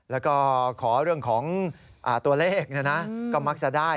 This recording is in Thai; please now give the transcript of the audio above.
แล้วก็ขอเรื่องของตัวเลขก็มักจะได้